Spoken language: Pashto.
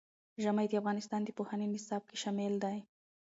ژمی د افغانستان د پوهنې نصاب کې شامل دي.